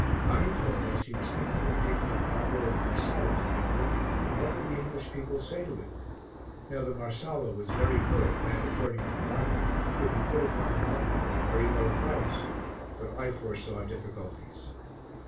Vanni told us he was thinking of taking a cargo of Marsala to England and what would the English people say to it? Now the Marsala was very good and, according to Vanni, could be put upon the market at a very low price, but I foresaw difficulties.